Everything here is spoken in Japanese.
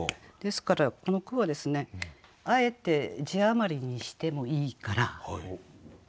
ですからこの句はですねあえて字余りにしてもいいから。